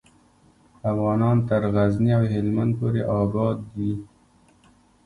افغانان تر غزني او هیلمند پورې آباد دي.